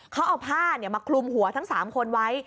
เขาเอาผ้ามาคลุมหัวทั้ง๓คนไว้